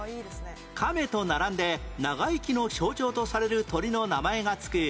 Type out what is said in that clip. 亀と並んで長生きの象徴とされる鳥の名前が付く